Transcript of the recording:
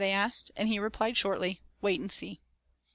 They asked, and he replied shortly: "Wait and see."